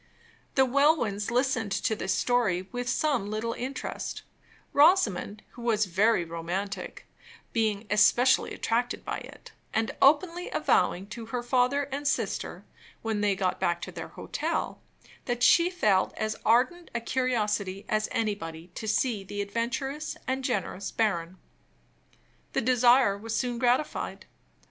The Welwyns listened to this story with some little interest; Rosamond, who was very romantic, being especially attracted by it, and openly avowing to her father and sister, when they got back to their hotel, that she felt as ardent a curiosity as anybody to see the adventurous and generous baron. The desire was soon gratified.